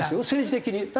政治的に。